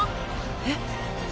えっ？